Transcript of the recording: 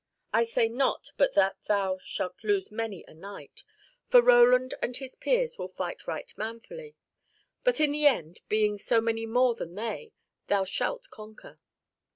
I say not but that thou shalt lose many a knight, for Roland and his peers will fight right manfully. But in the end, being so many more than they, thou shalt conquer.